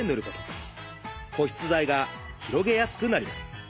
保湿剤が広げやすくなります。